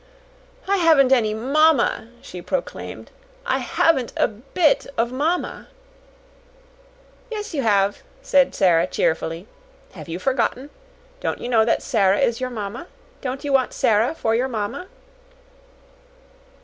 "I haven't any mamma," she proclaimed. "I haven't a bit of mamma." "Yes, you have," said Sara, cheerfully. "Have you forgotten? Don't you know that Sara is your mamma? Don't you want Sara for your mamma?"